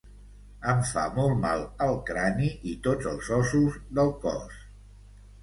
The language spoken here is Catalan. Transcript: Em fa molt mal el crani i tots els ossos del cos.